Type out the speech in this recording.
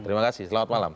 terima kasih selamat malam